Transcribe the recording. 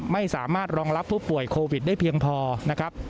ไม่สามารถรองรับผู้ป่วยโควิด๑๙นะครับ